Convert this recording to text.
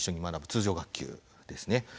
通常学級ですね。